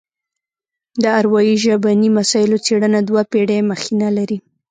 د اروايي ژبني مسایلو څېړنه دوه پېړۍ مخینه لري